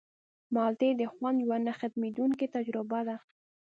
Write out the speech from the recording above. مالټې د خوند یوه نه ختمېدونکې تجربه ده.